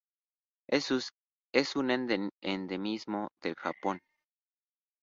Es un endemismo del Japón.